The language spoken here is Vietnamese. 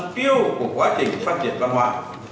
tiêu của quá trình phát triển văn hóa